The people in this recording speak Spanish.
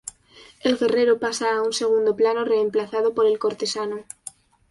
El guerrero pasa a un segundo plano reemplazado por el cortesano.